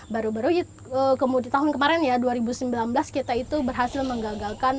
baru baru di tahun kemarin ya dua ribu sembilan belas kita itu berhasil menggagalkan